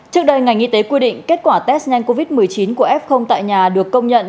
trước đây ngành y tế quy định kết quả test nhanh covid một mươi chín của f tại nhà được công nhận